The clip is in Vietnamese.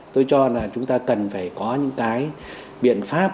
tôi cho là chúng ta cần phải có những cái biện pháp